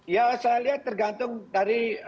ya saya lihat tergantung dari